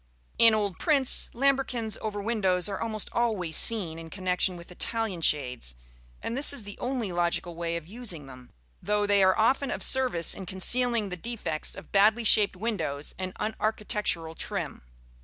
In old prints, lambrequins over windows are almost always seen in connection with Italian shades, and this is the only logical way of using them; though they are often of service in concealing the defects of badly shaped windows and unarchitectural trim.